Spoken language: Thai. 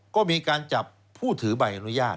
ก็มีการจับผู้ถือใบอนุญาต